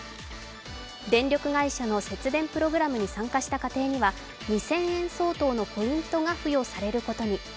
電力会社の節電プログラムに参加した家庭には２０００円相当のポイントが付与されることに。